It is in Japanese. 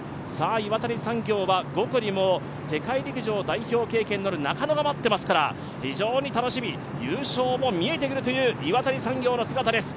岩谷産業は５区にも世界陸上代表経験のある中野も待っていますから優勝も見えてくるという岩谷産業の姿です。